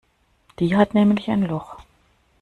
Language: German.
Die hat nämlich ein Loch.